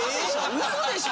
ウソでしょ？